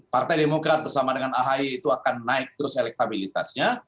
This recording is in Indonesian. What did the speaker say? partai demokrat bersama dengan ahy itu akan naik terus elektabilitasnya